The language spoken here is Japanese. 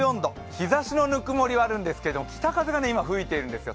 日ざしのぬくもりはあるんですが北風が今吹いているんですよ。